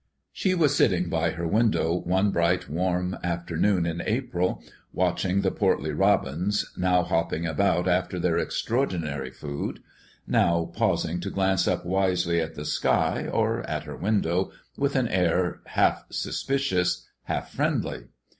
She was sitting by her window one bright, warm afternoon in April, watching the portly robins, now hopping about after their extraordinary food, now pausing to glance up wisely at the sky or at her window with an air half suspicious, half friendly.